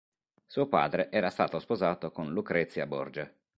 Suo padre era stato sposato con Lucrezia Borgia.